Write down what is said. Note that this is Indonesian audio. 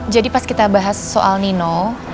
jadi pas kita bahas soal nino